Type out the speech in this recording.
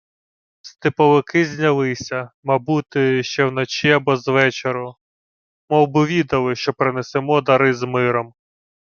— Степовики знялися, мабути, ще вночі або звечору. Мовби відали, що принесемо дари з миром.